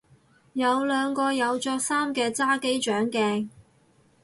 有兩個有着衫嘅揸機掌鏡